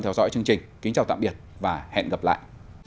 theo dõi chương trình kính chào tạm biệt và hẹn gặp lại